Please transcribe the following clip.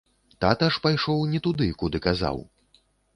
Тата ж пайшоў не туды, куды казаў.